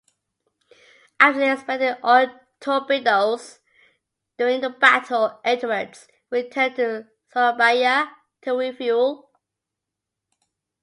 After expending all torpedoes during the battle, "Edwards" returned to Surabaya to refuel.